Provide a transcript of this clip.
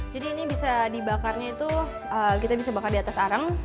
jadi ini bisa dibakarnya itu kita bisa bakar di atas arang